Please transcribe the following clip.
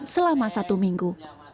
selama satu minggu